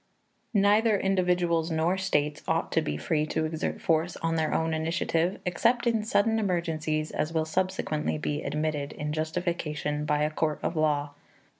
Neither individuals nor states ought to be free to exert force on their own initiative, except in such sudden emergencies as will subsequently be admitted in justification by a court of law.